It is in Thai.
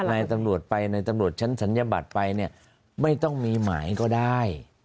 นายตำรวจไปในตำรวจชั้นศัลยบัตรไปเนี่ยไม่ต้องมีหมายก็ได้